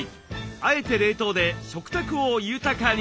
「あえて」冷凍で食卓を豊かに。